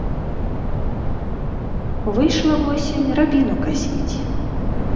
Выйшла восень рабіну касіць.